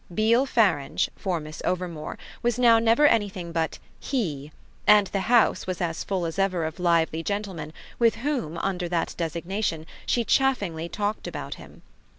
Beale Farange, for Miss Overmore, was now never anything but "he," and the house was as full as ever of lively gentlemen with whom, under that designation, she chaffingly talked about him.